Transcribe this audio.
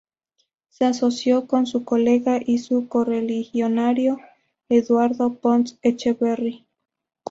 Se asoció con su colega y correligionario Eduardo Pons Echeverry.